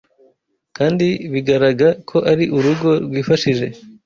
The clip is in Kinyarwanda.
kandi bigaraga ko ari urugo rwifashije